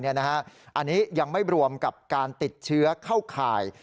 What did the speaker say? อันนี้ยังไม่รวมกับการติดเชื้อเข้าข่าย